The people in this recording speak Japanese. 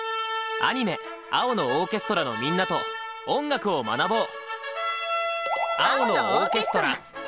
アニメ「青のオーケストラ」のみんなと音楽を学ぼう！